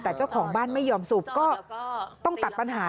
แต่เจ้าของบ้านไม่ยอมสูบก็ต้องตัดปัญหา